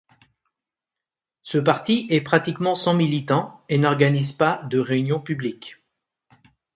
Ce parti est pratiquement sans militant et n'organise pas de réunions publiques.